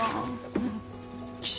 うん。